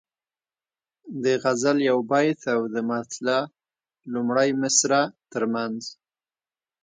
د غزل یو بیت او د مطلع لومړۍ مصرع ترمنځ.